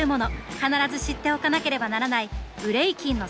必ず知っておかなければならないブレイキンの聖地